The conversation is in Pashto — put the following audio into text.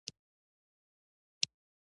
جرګه د شخړو د حل دودیزه لار ده.